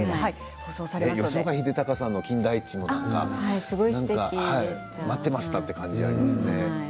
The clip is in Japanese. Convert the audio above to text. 吉岡秀隆さんの金田一とか待っていましたという感じがありますね。